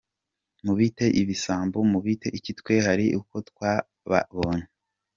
Mubite ibisambo mubite iki twe hari uko twababonye.”